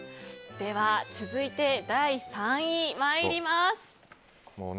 では、続いて第３位参ります。